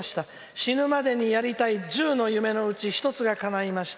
死ぬまでにやりたい１０の夢のうち一つがかないました。